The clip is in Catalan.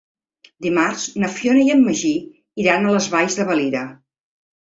Dimarts na Fiona i en Magí iran a les Valls de Valira.